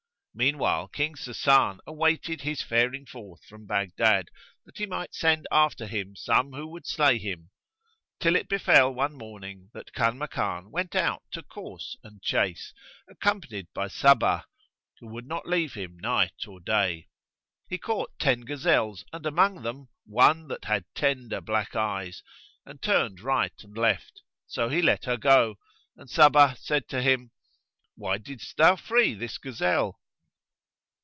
Meanwhile, King Sasan awaited his faring forth from Baghdad, that he might send after him some who would slay him; till it befel one morning that Kanmakan went out to course and chase, accompanied by Sabbah, who would not leave him night or day. He caught ten gazelles and among them one that had tender black eyes and turned right and left: so he let her go and Sabbah said to him, "Why didst thou free this gazelle?"